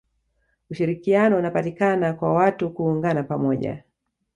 ushirikiano unapatikana kwa watu kuungana pamoja